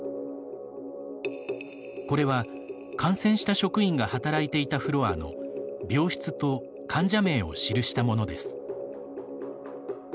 これは感染した職員が働いていたフロアの病室と患者名を記したものです。